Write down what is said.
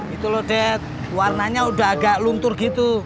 itu loh det warnanya udah agak luntur gitu